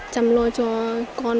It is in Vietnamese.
chăm lo cho con